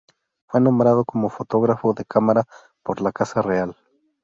Fue nombrado como fotógrafo de cámara por la Casa Real.